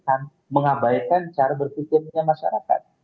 dan mengabaikan cara berpikirnya masyarakat